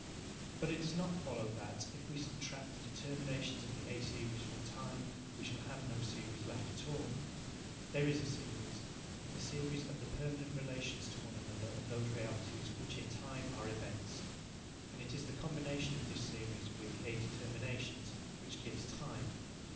But it does not follow that, if we subtract the determinations of the A series from time, we shall have no series left at all. There is a series a series of the permanent relations to one another of those realities which in time are events and it is the combination of this series with the A determinations which gives time.